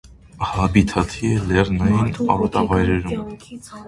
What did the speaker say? Հաբիթաթի է լեռնային արոտավայրերում։